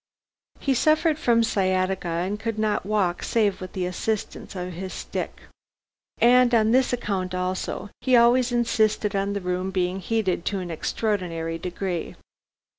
He suffered from sciatica, and could not walk save with the assistance of his stick. And on this account also, he always insisted on the room being heated to an extraordinary degree.